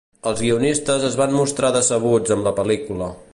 Els guionistes es van mostrar decebuts amb la pel·lícula.